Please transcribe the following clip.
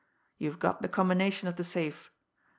You've got the combination of the safe.